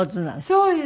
そうですね。